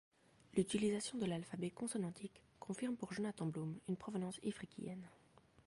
L'utilisation de l'alphabet consonantique confirme pour Jonathan Bloom une provenance ifriqiyenne.